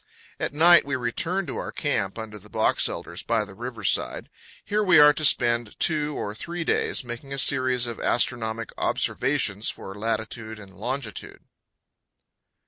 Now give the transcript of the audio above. At night we return to our camp under the box elders by the river side. Here we are to spend two or three days, making a series of astronomic observations for latitude and longitude.